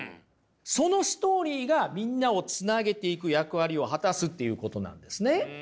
そのストーリーがみんなをつなげていく役割を果たすっていうことなんですね。